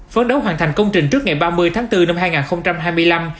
phấn đấu hoàn thành công trình trước ngày ba mươi tháng bốn năm hai nghìn hai mươi năm